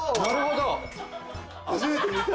初めて見た。